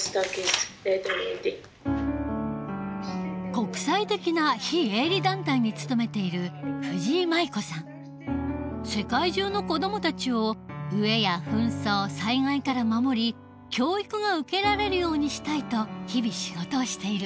国際的な非営利団体に勤めている世界中の子どもたちを飢えや紛争災害から守り教育が受けられるようにしたいと日々仕事をしている。